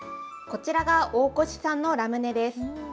こちらが大越さんのラムネです。